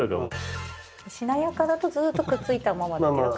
しなやかだとずっとくっついたままだけど。